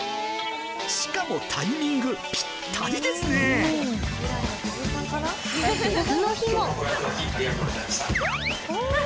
しかもタイミングぴったりで別の日も。